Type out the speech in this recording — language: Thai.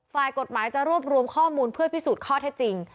ฝ่ายกฎหมายจะรวบรวมข้อมูลเพื่อพิสูจน์ข้อเท็จจริง